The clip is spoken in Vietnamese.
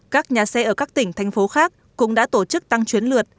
các nhà xe ở các tỉnh thành phố khác cũng đã tổ chức tăng chuyến lượt